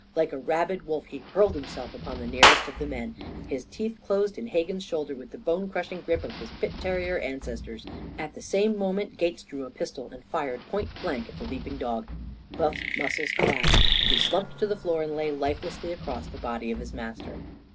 Like a rabid wolf he hurled himself upon the nearest of the men. His teeth closed in Hegan's shoulder with the bone crushing grip of his pit terrier ancestors. At the same moment Gates drew a pistol and fired point blank at the leaping dog. Buff's muscles collapsed. He slumped to the floor and lay lifelessly across the body of his master.